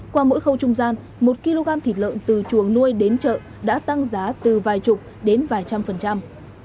qua mỗi khâu trung gian một kg thịt lợn từ chuồng nuôi đến chợ đã tăng giá từ vài chục đến vài trăm phần trăm